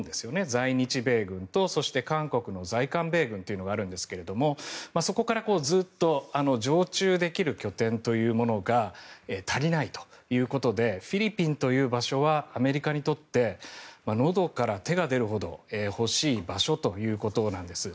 在日米軍と、そして韓国の在韓米軍というのがあるんですがそこからずっと常駐できる拠点というものが足りないということでフィリピンという場所はアメリカにとってのどから手が出るほど欲しい場所ということなんです。